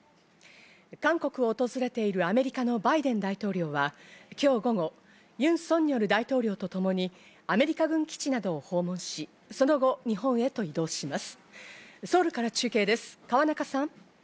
韓国を訪れているアメリカのバイデン大統領は、今日午後、ユン・ソンニョル大統領とともにアメリカ軍基地などを訪問し、その後、日本へと移動します。